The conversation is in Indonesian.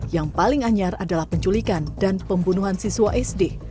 yang paling anyar adalah penculikan dan pembunuhan siswa sd